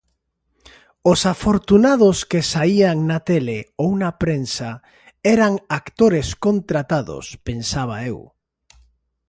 Os afortunados que saían na tele, ou na prensa, eran actores contratados, pensaba eu.